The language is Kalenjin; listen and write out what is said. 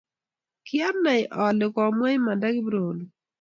Kianai ane ale komwaa imanda Kiprono